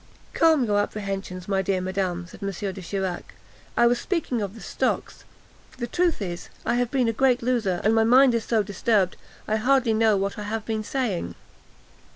"Calm your apprehensions, my dear madam," said M. de Chirac; "I was speaking of the stocks. The truth is, I have been a great loser, and my mind is so disturbed, I hardly know what I have been saying."